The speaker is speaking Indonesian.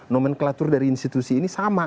nomenklatur dari institusi ini sama